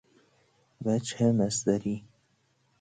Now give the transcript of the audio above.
وجه مصدری